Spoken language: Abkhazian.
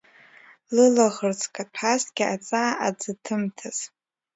Лылаӷырӡ каҭәазҭгьы аҵаа аӡыҭымҭаз.